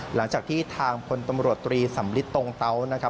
หลังจากที่ทางพลตำรวจตรีสำลิดตรงเตานะครับ